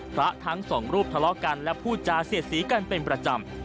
ทั้งสองรูปทะเลาะกันและพูดจาเสียดสีกันเป็นประจำ